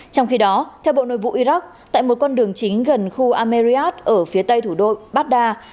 trong khi đó theo bộ nội vụ iraq tại một con đường chính gần khu ameriat ở phía tây thủ đô baghdad